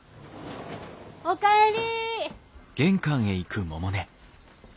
おかえり。